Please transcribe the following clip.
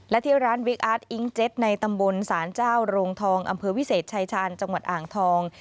และที่ร้านวิกอาร์ตอิงเจ็ตในตำบลศาลเจ้าโรงทองอำเภอวิเศษชายชาญจังหวัดอ่างทอง